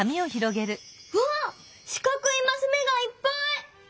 うわっしかくいマスめがいっぱい！